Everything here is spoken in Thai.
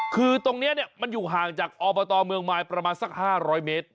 คือตรงนี้มันอยู่ห่างจากอบตเมืองมายประมาณสัก๕๐๐เมตร